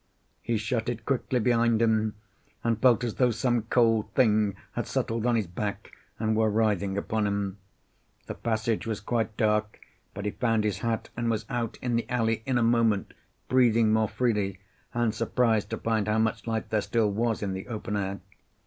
He shut it quickly behind him, and felt as though some cold thing had settled on his back and were writhing upon him. The passage was quite dark, but he found his hat and was out in the alley in a moment, breathing more freely, and surprised to find how much light there still was in the open air.